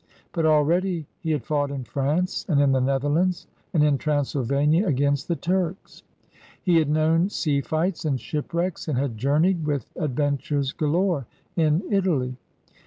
But already he had fought in France and in the Netherlands, and in Transylvania against the Turks. He had known sea fights and shipwrecks and had journeyed, with adventures galore, in Italy.